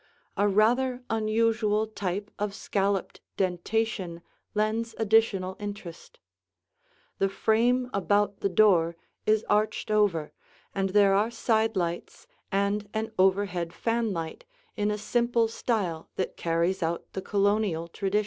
A rather unusual type of scalloped dentation lends additional interest. The frame about the door is arched over, and there are side lights and an overhead fanlight in a simple style that carries out the Colonial tradition.